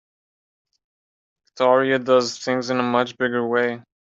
Victoria does things in a much bigger way.